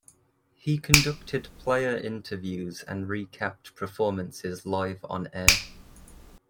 He conducted player interviews and recapped performances live on-air.